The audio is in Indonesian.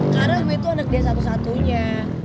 karena gue tuh anak dia satu satunya